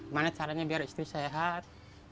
mana caranya biar istri sehat